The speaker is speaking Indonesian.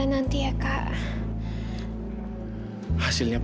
keakanan masa pemindahan ke migrasi lebih coach